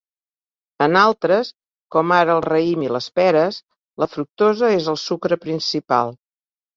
En altres, com ara el raïm i les peres, la fructosa és el sucre principal.